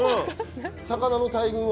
魚の大群は。